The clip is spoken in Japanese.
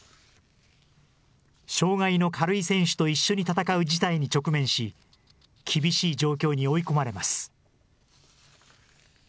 障害の軽い選手と一緒に戦う事態に直面し、厳しい状況に追い込まれます。